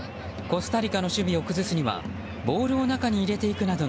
コスタリカの守備を崩すにはボールを中に入れていくなど